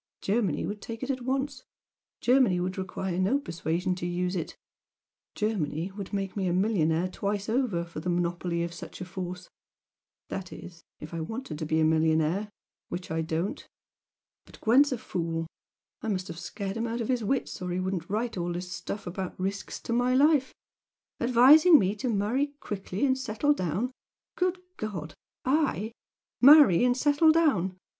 Germany would take it at once Germany would require no persuasion to use it! Germany would make me a millionaire twice over for the monopoly of such a force! that is, if I wanted to be a millionaire, which I don't. But Gwent's a fool I must have scared him out of his wits, or he wouldn't write all this stuff about risks to my life, advising me to marry quickly and settle down! Good God! I? Marry and settle down?